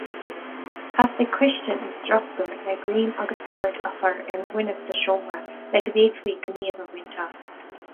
Theastaigh coiste nó struchtúr le greim agus ord a chur ar an bhfuinneamh sa seomra le go bhféadfaí gníomh a bhaint as.